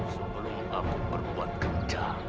sebelum aku berbuat kerja